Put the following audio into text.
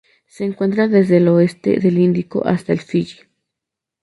Se encuentra desde el oeste del Índico hasta Fiyi.